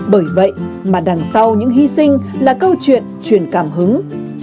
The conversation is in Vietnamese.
bởi vậy mà đằng sau những hy sinh là câu chuyện truyền cảm hứng